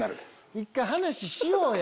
一回話しようや。